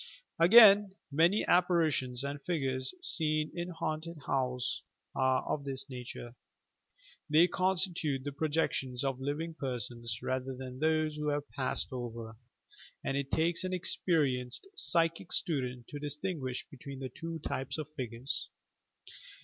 Again, many apparitions and figures seen in haunted houses are of this nature. They constitute the projec tions of living persons rather than those who have passed over, and it takes au experienced psychic student to dis tinguish between the two types of figures.